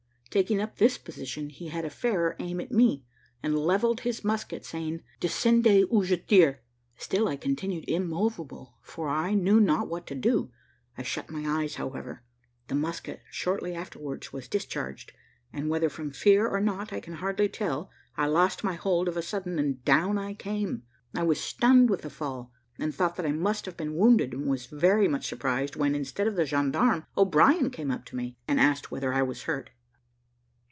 Taking up this position, he had a fairer aim at me, and levelled his musket, saying, "Descendez, ou je tire." Still I continued immovable, for I knew not what to do. I shut my eyes, however; the musket shortly afterwards was discharged, and, whether from fear or not I can hardly tell, I lost my hold of a sudden, and down I came. I was stunned with the fall, and thought that I must have been wounded; and was very much surprised, when, instead of the gendarme, O'Brien came up to me, and asked whether I was hurt.